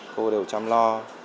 cô đều chăm lo